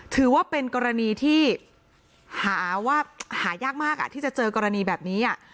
ถือว่าเป็นกรณีที่หาว่าหายากมากที่จะเจอกรณีแบบนี้